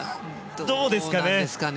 どうなんですかね。